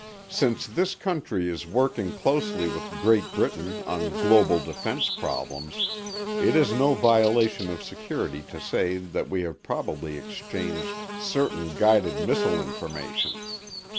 Since this country is working closely with Great Britain on global defense problems, it is no violation of security to say that we have probably exchanged certain guided missile information.